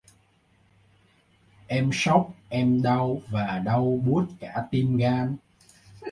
em sốc em đau và đau buốt cả tim gan